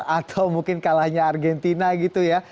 atau mungkin kalahnya argentina gitu ya